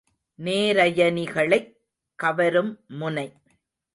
நேரயனிகளைக் கவரும் முனை.